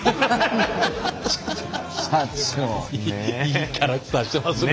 いいキャラクターしてますね